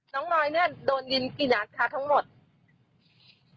น้องน้อยเนี่ยโดนยิงกี่นัดคะทั้งหมด